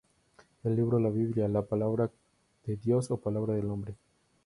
El libro La Biblia ¿la Palabra de Dios, o palabra del hombre?